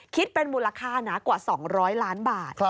คิดเป็นมูลค่านะกว่า๒๐๐ล้านบาท